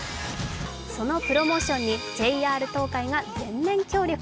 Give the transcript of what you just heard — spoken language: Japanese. そのプロモーションにＪＲ東海が全面協力。